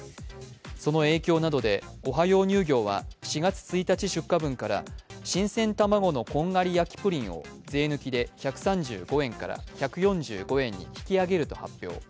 その影響などでオハヨー乳業は４月１日出荷分から新鮮卵のこんがり焼プリンを税抜きで１３５円から１４５円に引き上げると発表。